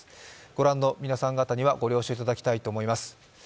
ご覧の皆さん方にはご了承いただきたいと思います。